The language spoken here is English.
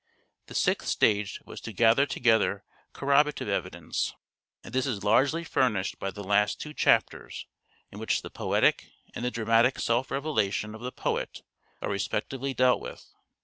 The sixth stage was to gather together " corroborative evidence," and this is largely furnished by the last two chapters in which the poetic and the dramatic self revelation of the poet are respectively dealt with.